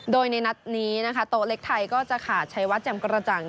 โดยในนัดนี้นะคะโต๊ะเล็กไทยก็จะขาดชัยวัดแจ่มกระจ่าง